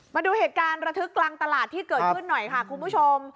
มาดูเหตุการณ์ระทึกกลางตลาดที่เกิดขึ้นหน่อยค่ะคุณผู้ชม